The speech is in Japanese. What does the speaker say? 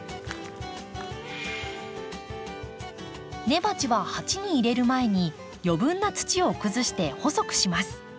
根鉢は鉢に入れる前に余分な土をくずして細くします。